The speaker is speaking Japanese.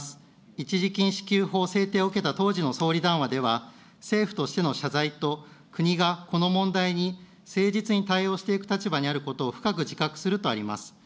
一時金支給法制定を受けた当時の総理談話では、政府としての謝罪と国がこの問題に誠実に対応していく立場にあることを深く自覚するとあります。